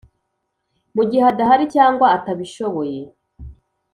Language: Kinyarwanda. Mu gihe adahari cyangwa atabishoboye